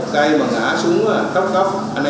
trần hướng đạo ạ